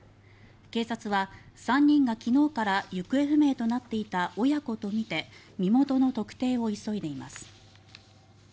警察は、３人が昨日から行方不明となっていた親子とみて身元の特定を急いでいます。